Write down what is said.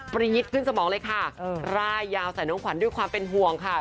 ยิตขึ้นสมองเลยค่ะร่ายยาวใส่น้องขวัญด้วยความเป็นห่วงค่ะ